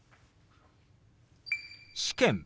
「試験」。